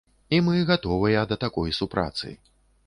І мы гатовыя да такой супрацы.